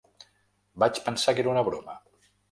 Vaig pensar que era una broma.